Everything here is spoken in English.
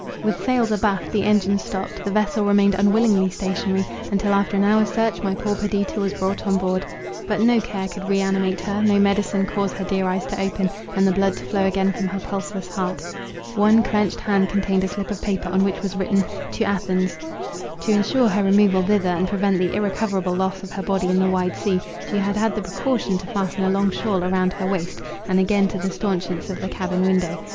With sails abaft, the engine stopt, the vessel remained unwillingly stationary, until, after an hour's search, my poor Perdita was brought on board. But no care could re animate her, no medicine cause her dear eyes to open, and the blood to flow again from her pulseless heart. One clenched hand contained a slip of paper, on which was written, "To Athens." To ensure her removal thither, and prevent the irrecoverable loss of her body in the wide sea, she had had the precaution to fasten a long shawl round her waist, and again to the staunchions of the cabin window.